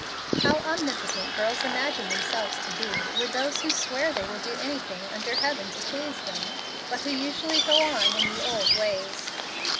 How omnipotent girls imagine themselves to be with those who swear they will do anything under heaven to please them, but who usually go on in the old ways!